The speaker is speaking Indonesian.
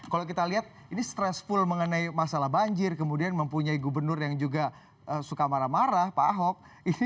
kalau kita lihat ini stressful mengenai masalah banjir kemudian mempunyai gubernur yang juga suka marah marah pak ahok